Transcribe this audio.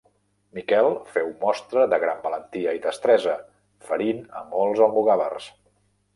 Miquel féu mostra de gran valentia i destresa, ferint a molts almogàvers.